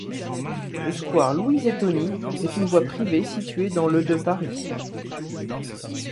Le square Louise-et-Tony est une voie privée située dans le de Paris.